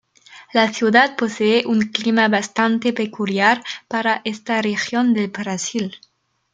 La ciudad posee un clima bastante peculiar para esta región del Brasil.